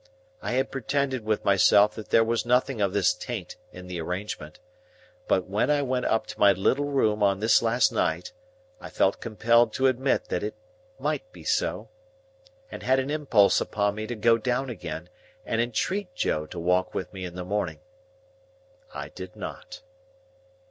I had pretended with myself that there was nothing of this taint in the arrangement; but when I went up to my little room on this last night, I felt compelled to admit that it might be so, and had an impulse upon me to go down again and entreat Joe to walk with me in the morning. I did not.